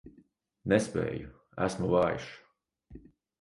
Nespēju, esmu vājš.